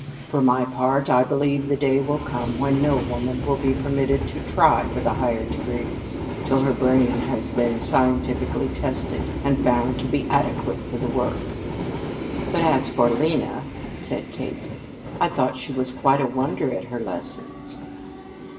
For my part, I believe the day will come when no woman will be permitted to try for the higher degrees till her brain has been scientifically tested and found to be adequate for the work." "But as for Lena," said Kate, "I thought she was quite a wonder at her lessons."